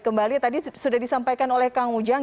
kembali tadi sudah disampaikan oleh kang ujang